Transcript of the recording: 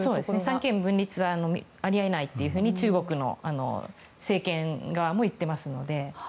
三権分立はあり得ないと中国の政権側も言っていますので。